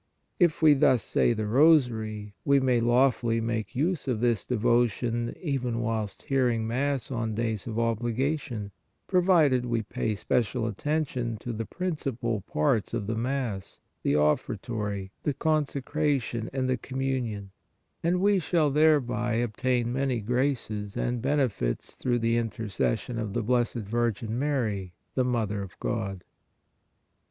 If we thus say the Rosary, we may lawfully make use of this devotion even whilst hearing Mass on days of obligation, provided we pay special attention to the principal parts of the Mass, the Offertory, the Consecration and the Communion; and we shall thereby obtain many graces and benefits through the intercession of the Blessed Virgin Mary, the Mother of God.